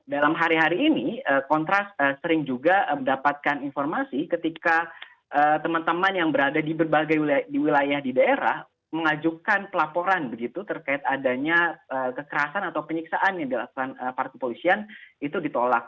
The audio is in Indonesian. dalam hari hari ini kontras sering juga mendapatkan informasi ketika teman teman yang berada di berbagai wilayah di daerah mengajukan pelaporan begitu terkait adanya kekerasan atau penyiksaan yang dilakukan para kepolisian itu ditolak